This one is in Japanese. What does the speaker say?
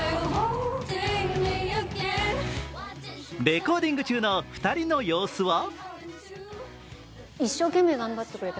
レコーディング中の２人の様子は？